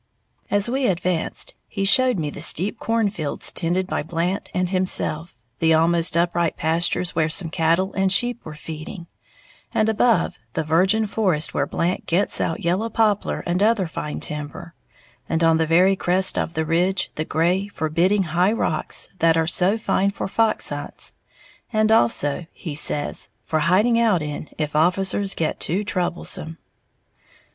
'"] As we advanced, he showed me the steep cornfields tended by Blant and himself, the almost upright pastures where some cattle and sheep were feeding, and above, the virgin forest where Blant gets out yellow poplar and other fine timber, and on the very crest of the ridge, the gray, forbidding "high rocks" that are so fine for fox hunts, and also, he says, for "hiding out" in if officers get too troublesome.